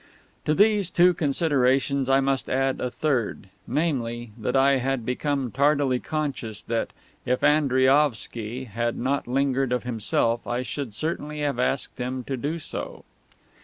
To these two considerations I must add a third, namely, that I had become tardily conscious that, if Andriaovsky had not lingered of himself, I should certainly have asked him to do so.